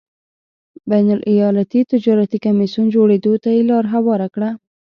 بین الایالتي تجارتي کمېسیون جوړېدو ته یې لار هواره کړه.